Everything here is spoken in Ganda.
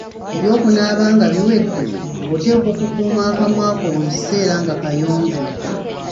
Eby'okunaaba nga biwedde, oteekwa okukuuma akamwa ko buli kiseera nga kayonjo.